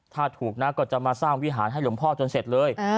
ถ้าถูกนะก็จะมาสร้างวิหารให้หลวงพ่อจนเสร็จเลย